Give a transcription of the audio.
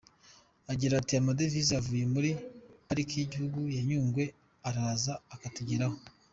Agira ati “Amadevise avuye muri Pariki y’igihugu ya Nyungwe araza akatugeraho.